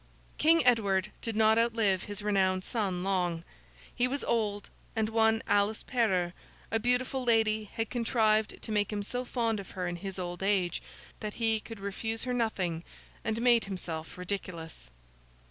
King Edward did not outlive his renowned son, long. He was old, and one Alice Perrers, a beautiful lady, had contrived to make him so fond of her in his old age, that he could refuse her nothing, and made himself ridiculous.